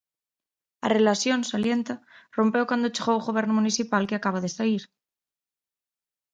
A relación, salienta, "rompeu cando chegou o Goberno municipal que acaba de saír".